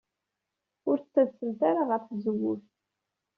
Ur ttadsemt ara ɣer tzewwut.